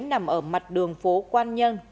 nằm ở mặt đường phố quan nhân